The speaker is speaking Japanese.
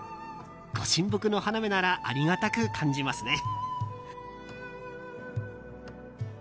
御神木の花芽ならありがたく感じますね。